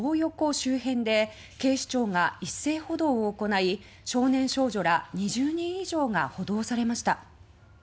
周辺で警視庁が一斉補導を行い少年少女ら２０人以上が補導されました。